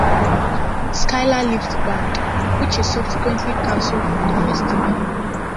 Skyler leaves the band, which is subsequently cancelled from the festival.